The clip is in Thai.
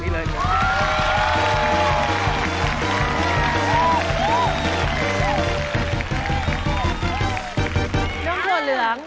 เดินตรงนี้เลย